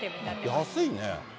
安いね。